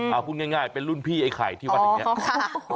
เอาพูดง่ายเป็นรุ่นพี่ไอ้ไข่ที่วัดอย่างนี้